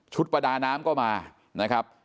ประดาน้ำก็มานะครับ